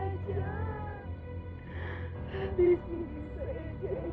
aisyah buka pintu aisyah